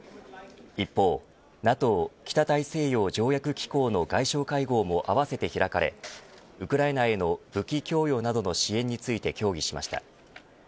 一方ＮＡＴＯ北大西洋条約機構の外相会合も合わせて開かれウクライナへの武器供与などの支援について協議しました。